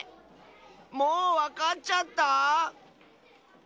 もうわかっちゃった？